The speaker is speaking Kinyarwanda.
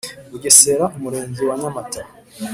Bugesera Umurenge wa Nyamata